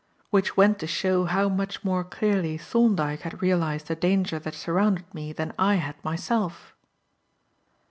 Which went to show how much more clearly Thorndyke had realized the danger that surrounded me than I had myself.